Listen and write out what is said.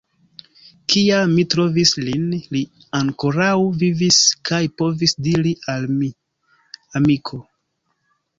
Kiam mi trovis lin, li ankoraŭ vivis kaj povis diri al mi: «Amiko...